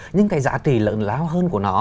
nhưng cái giá trị lớn lao hơn của nó